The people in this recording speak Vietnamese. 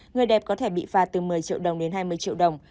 người đẹp có thể bị phạt từ một mươi triệu đồng đến hai mươi triệu đồng